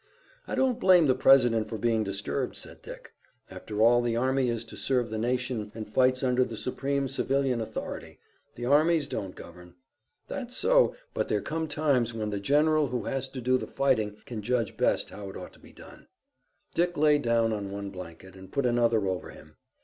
"I don't blame the President for being disturbed," said Dick. "After all the army is to serve the nation and fights under the supreme civilian authority. The armies don't govern." "That's so, but there come times when the general who has to do the fighting can judge best how it ought to be done." Dick lay down on one blanket and put another over him.